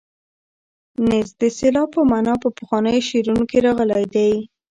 نیز د سیلاب په مانا په پخوانیو شعرونو کې راغلی دی.